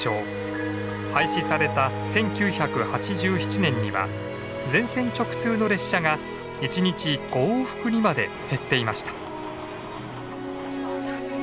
廃止された１９８７年には全線直通の列車が１日５往復にまで減っていました。